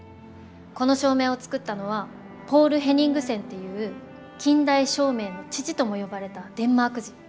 この照明を作ったのはポール・ヘニングセンっていう近代照明の父とも呼ばれたデンマーク人。